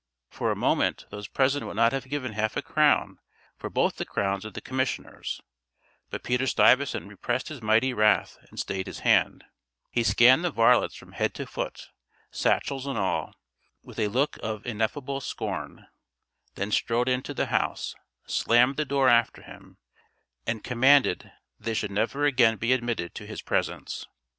For a moment those present would not have given half a crown for both the crowns of the commissioners; but Peter Stuyvesant repressed his mighty wrath and stayed his hand; he scanned the varlets from head to foot, satchels and all, with a look of ineffable scorn; then strode into the house, slammed the door after him, and commanded that they should never again be admitted to his presence.